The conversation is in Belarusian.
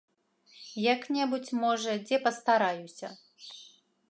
Як-небудзь, можа, дзе пастараюся.